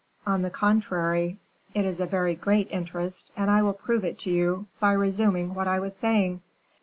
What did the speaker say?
On the contrary, it is a very great interest, and I will prove it to you, by resuming what I was saying.